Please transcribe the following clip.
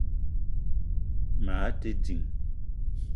Maa te ding